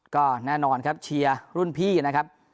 ก็แน่นอนครับเชียร์รุ่นพี่นะครับ